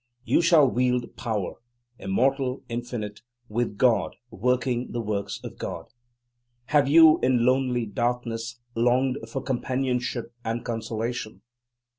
You shall wield power immortal, infinite, with God working the works of God. Have you, in lonely darkness, longed for companionship and consolation?